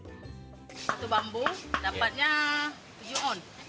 satu bambu dapatnya tujuh on